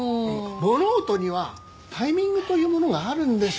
物事にはタイミングというものがあるんですよ。